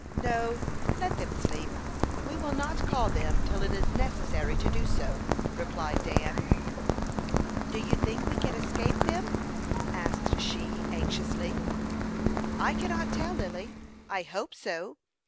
"No, let them sleep. We will not call them till it is necessary to do so," replied Dan. "Do you think we can escape them?" asked she, anxiously. "I cannot tell, Lily. I hope so.